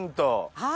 はい。